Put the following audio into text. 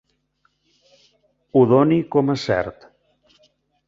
Ho doni com a cert.